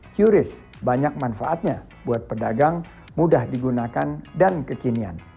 qris banyak manfaatnya buat pedagang mudah digunakan dan kekinian